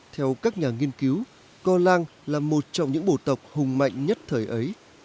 theo các nhà nghiên cứu co lang là một trong những bồ tộc hùng mạnh nhất thời ấy